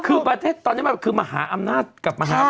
คือประเทศตอนนี้แบบคือมหาอำนาจกับมหาอำนาจ